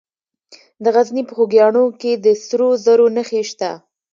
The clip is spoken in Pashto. د غزني په خوږیاڼو کې د سرو زرو نښې شته.